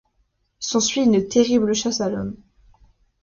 S'ensuit une terrible chasse à l'homme.